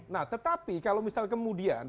nah tetapi kalau misal kemudian